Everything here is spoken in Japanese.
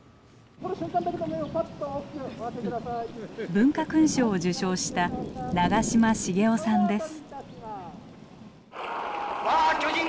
文化勲章を受章した長嶋茂雄さんです。